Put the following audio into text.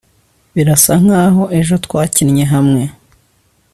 Birasa nkaho ejo twakinnye hamwe